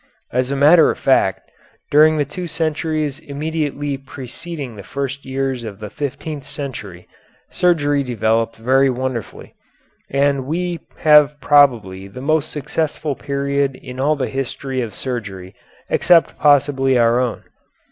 As a matter of fact, during the two centuries immediately preceding the first years of the fifteenth century, surgery developed very wonderfully, and we have probably the most successful period in all the history of surgery except possibly our own.